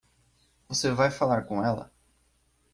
Você vai falar com ela?